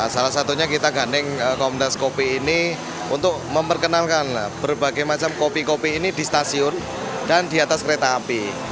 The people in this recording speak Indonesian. salah satunya kita gandeng komunitas kopi ini untuk memperkenalkan berbagai macam kopi kopi ini di stasiun dan di atas kereta api